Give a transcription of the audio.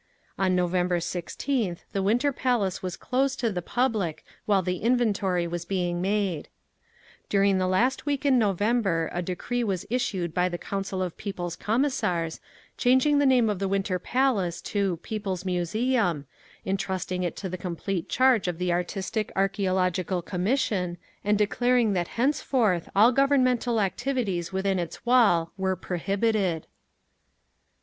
On November 16th the Winter Palace was closed to the public while the inventory was being made…. During the last week in November a decree was issued by the Council of People's Commissars, changing the name of the Winter Palace to "People's Museum," entrusting it to the complete charge of the artistic archæological commission, and declaring that henceforth all Governmental activities within its wall were prohibited…. 4.